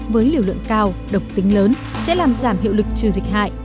với liều lượng cao độc tính lớn sẽ làm giảm hiệu lực trừ dịch hại